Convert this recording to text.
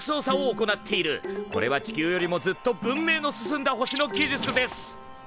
これは地球よりもずっと文明の進んだ星の技術です。